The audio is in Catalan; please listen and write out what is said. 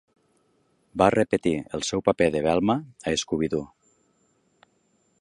Va repetir el seu paper de Velma a Scooby-Doo!